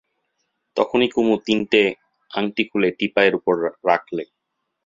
তখনই কুমু তিনটে আংটি খুলে টিপায়ের উপর রাখলে।